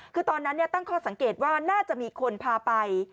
คือตอนนั้นตั้งข้อสังเกตว่าน่าจะมีคนพาไป